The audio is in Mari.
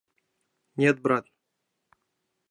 Нет, брат!